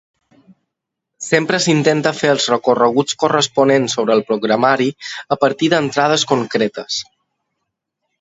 Sempre s’intenta fer els recorreguts corresponents sobre el programari a partir d’entrades concretes.